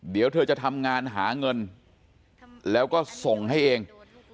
เดี๋ยวเธอจะทำงานหาเงินแล้วก็ส่งให้เอง